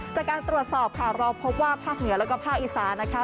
จากการตรวจสอบค่ะเราพบว่าภาคเหนือแล้วก็ภาคอีสานนะคะ